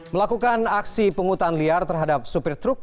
melakukan aksi penghutang liar terhadap sopir truk